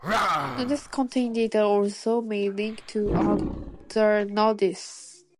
Nodes contain data and also may link to other nodes.